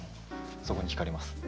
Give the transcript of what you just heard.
そこにひかれます。